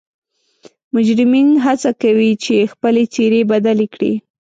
مجرمین حڅه کوي چې خپلې څیرې بدلې کړي